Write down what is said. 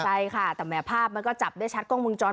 ใช่ค่ะแต่แหมภาพมันก็จับได้ชัดกล้องมุมจร